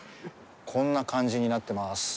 こんな感じになってます。